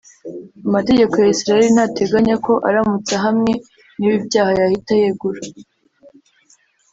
Amategeko ya Israel ntateganya ko aramutse ahamwe n’ibi byaha yahita yegura